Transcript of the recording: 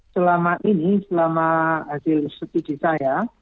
selama ini selama hasil seti desa ya